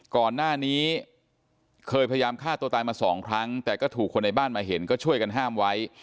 ก่อนหน้านี้เคยพยายามฆ่าตัวตายมาสองครั้งแต่ก็ถูกคนในบ้านมาเห็นก็ช่วยกันห้ามไว้